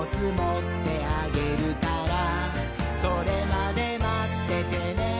「それまでまっててねー！」